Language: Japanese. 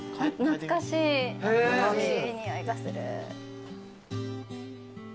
懐かしい匂いがする。